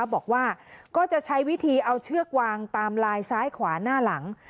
บอกว่าก็จะใช้วิธีเอาเชือกวางตามลายซ้ายขวาหน้าหลัง